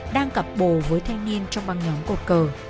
đang cặp bồ với thanh niên trong băng nhóm cột cờ